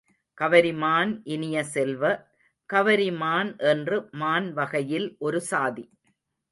கவரிமான் இனிய செல்வ, கவரிமான் என்று மான் வகையில் ஒரு சாதி.